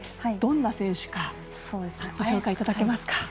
どんな選手かご紹介いただけますか。